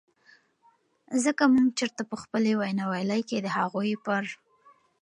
د که مونږ چرته په خپلې وینا والۍ کې د هغوئ پر